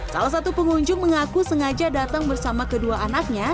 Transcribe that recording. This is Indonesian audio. salah satu pengunjung mengaku sengaja datang bersama kedua anaknya